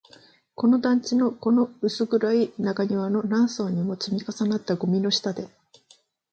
この団地の、この薄暗い中庭の、何層にも積み重なったゴミの下で